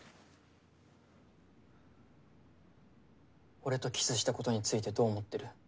俺とキスしたことについてどう思ってる？